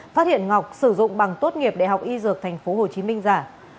phát hiện ngọc sử dụng bằng tốt nghiệp đại học y dược tp hcm giả